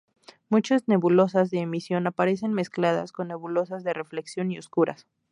Muchas nebulosas de emisión aparecen mezcladas con nebulosas de reflexión y oscuras.